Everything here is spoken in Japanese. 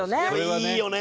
いいよね。